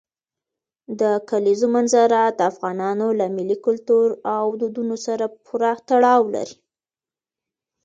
د کلیزو منظره د افغانانو له ملي کلتور او دودونو سره پوره تړاو لري.